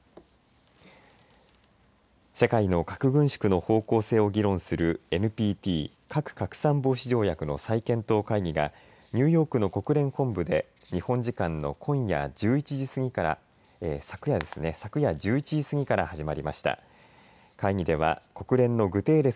世界の核軍縮の方向性を議論するＮＰＴ、核拡散防止条約の再検討会議がニューヨークの国連本部で日本時間の昨夜ですね、昨夜１１時過ぎから始まりました。